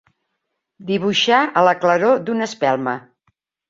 Dibuixar a la claror d'una espelma.